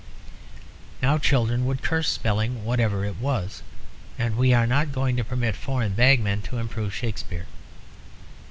Now children would curse spelling whatever it was, and we are not going to permit foreign bagmen to improve Shakespeare.